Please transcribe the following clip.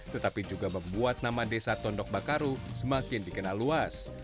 tetapi juga membuat nama desa tondok bakaru semakin dikenal luas